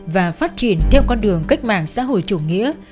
và phát triển theo con đường cách mạng xã hội chủ nghĩa